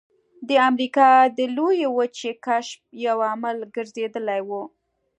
د امریکا د لویې وچې کشف یو عامل ګرځېدلی و.